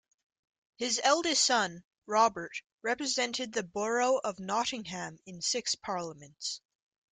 His eldest son, Robert, represented the borough of Nottingham in six parliaments.